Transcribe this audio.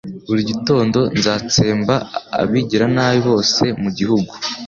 Buri gitondo nzatsemba abagiranabi bose bo mu gihugu